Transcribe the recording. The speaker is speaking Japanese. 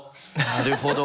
なるほど。